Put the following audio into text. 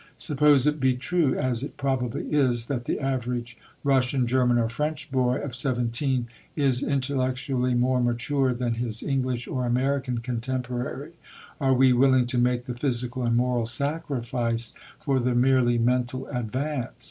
Suppose it be true, as it probably is, that the average Russian, German, or French boy of seventeen is intellectually more mature than his English or American contemporary are we willing to make the physical and moral sacrifice for the merely mental advance?